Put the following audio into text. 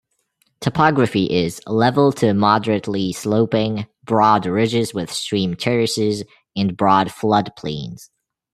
Topography is level to moderately sloping, broad ridges with stream terraces and broad floodplains.